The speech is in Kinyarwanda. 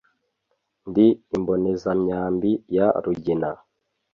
Ndi imbonezamyambi ya Rugina